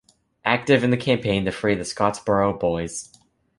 Active in the campaign to free the Scottsboro Boys.